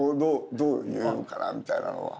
どう言うかなみたいなのは。